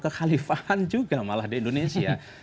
kekhalifahan juga malah di indonesia